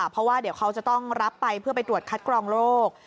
เพราะว่าเดี๋ยวเขาจะต้องรับไปเพื่อไปตรวจคัดกรองโรค